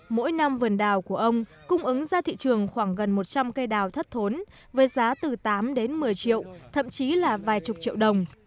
mỗi năm vườn đào của ông cung ứng ra thị trường khoảng gần một trăm linh cây đào thất thốn với giá từ tám đến một mươi triệu thậm chí là vài chục triệu đồng